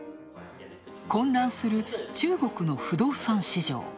混乱する中国の不動産市場。